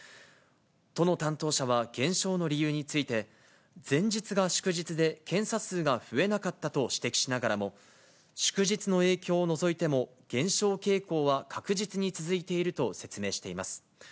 都の担当者は減少の理由について、前日が祝日で検査数が増えなかったと指摘しながらも、祝日の影響を除いても、減少傾向は確実に続いていると説明しています。